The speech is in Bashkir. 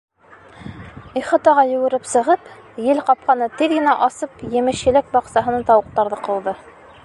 Ихатаға йүгереп сығып, ел ҡапҡаны тиҙ генә асып, емеш-еләк баҡсаһына тауыҡтарҙы ҡыуҙы.